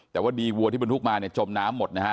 แต่ว่าดีวัวที่บรรทุกมาจมน้ำหมด